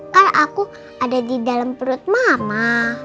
karena aku ada di dalam perut mama